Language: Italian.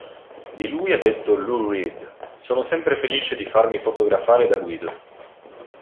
Di lui ha detto Lou Reed: "Sono sempre felice di farmi fotografare da Guido.